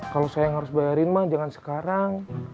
kalau saya yang harus bayarin mah jangan sekarang